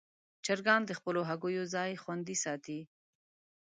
چرګان د خپلو هګیو ځای خوندي ساتي.